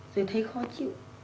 rồi thấy khó chịu